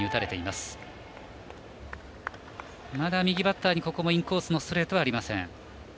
まだ右バッターにここもインコースのストレートはありません。